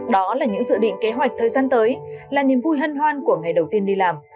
đó là những dự định kế hoạch thời gian tới là niềm vui hân hoan của ngày đầu tiên đi làm